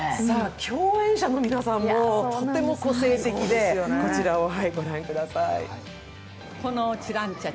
共演者の皆さんもとても個性的で、こちらを御覧ください。